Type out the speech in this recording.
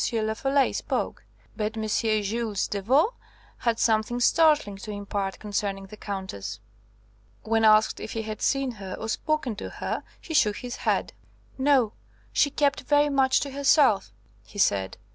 Lafolay spoke. But M. Jules Devaux had something startling to impart concerning the Countess. When asked if he had seen her or spoken to her, he shook his head. "No; she kept very much to herself," he said.